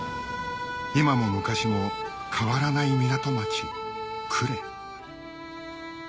今も昔も変わらない港町呉